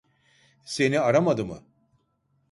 Seni aramadı mı?